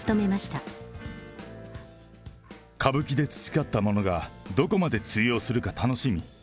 歌舞伎で培ったものがどこまで通用するか楽しみ。